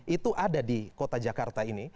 itu ada di kota jakarta ini